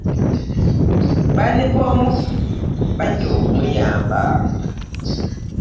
Banne bomubbi bajja okumuyamba.